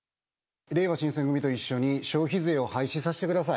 れいわ新選組と一緒に消費税を廃止させてください。